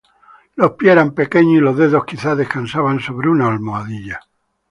Los pies eran pequeños y los dedos quizá descansaban sobre una almohadilla.